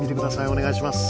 お願いします。